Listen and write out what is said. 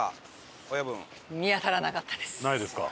ないですか。